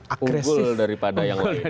agresif uggul daripada yang